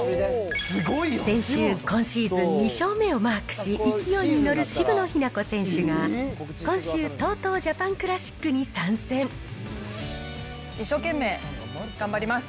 先週、今シーズン２勝目をマークし、勢いに乗る渋野日向子選手が、今週、ＴＯＴＯジャパンクラシック一生懸命、頑張ります。